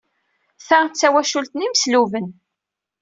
Ta d tawacult n yimesluben.